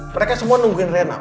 mereka semua nungguin reina